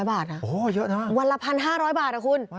๑๕๐๐บาทนะวันละ๑๕๐๐บาทเหรอคุณโอ้เยอะนะ